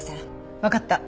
わかった。